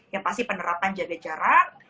yang pasti penerapan jaga jarak